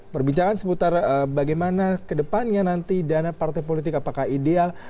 perbincangan seputar bagaimana kedepannya nanti dana partai politik apakah ideal